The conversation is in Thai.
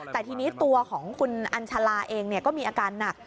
แต่ทีนี้ตัวของคุณอัญชาลาเองก็มีอาการหนัก